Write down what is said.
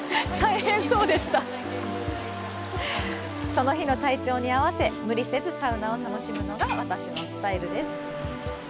その日の体調に合わせ無理せずサウナを楽しむのが私のスタイル。